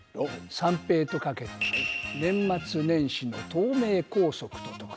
三平とかけて年末年始の東名高速ととく。